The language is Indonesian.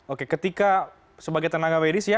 oke ketika sebagai tenaga medis ya